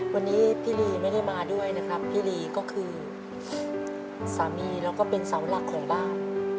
วันนี้พี่ลีไม่ได้มาด้วยนะครับพี่ลีก็คือสามีแล้วก็เป็นเสาหลักของบ้าน